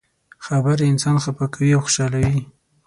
خبرې انسان خفه کوي او خوشحالوي.